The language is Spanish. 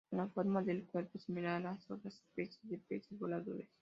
Con la forma del cuerpo similar a la de otras especies de peces voladores.